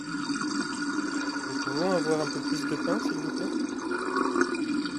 Nous pouvons avoir un peu plus de pain s’il vous plait ?